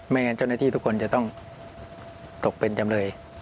งั้นเจ้าหน้าที่ทุกคนจะต้องตกเป็นจำเลย